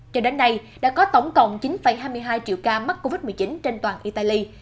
cho đến nay đã có tổng cộng chín hai mươi hai triệu ca mắc covid một mươi chín trên toàn italy